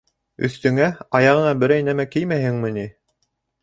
— Өҫтөңә, аяғыңа берәй нәмә кеймәйһеңме ни?